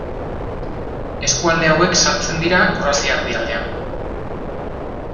Eskualde hauek sartzen dira Kroazia erdialdean.